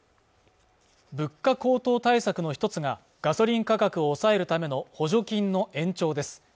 物価高騰対策の一つがガソリン価格を抑えるための補助金の延長です